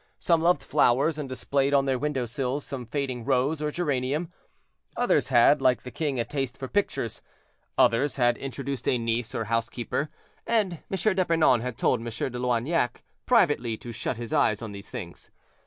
Some loved flowers, and displayed on their window sills some fading rose or geranium; others had, like the king, a taste for pictures; others had introduced a niece or housekeeper; and M. d'Epernon had told M. de Loignac privately to shut his eyes on these things.